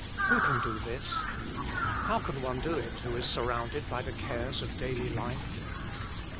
Who can do this ? How can one do it who is surrounded by the cares of daily life